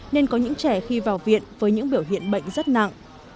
nên có những trẻ khi vào viện với những biểu hiện bệnh rất nặng